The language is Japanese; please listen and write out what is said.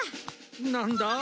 なんだ？